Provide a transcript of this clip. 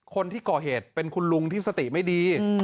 คนที่ก่อเหตุเป็นคุณลุงที่สติไม่ดี